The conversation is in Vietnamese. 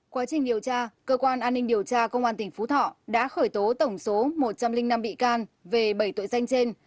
quá trình điều tra cơ quan an ninh điều tra công an tỉnh phú thọ đã khởi tố tổng số một trăm linh năm bị can về bảy tội danh trên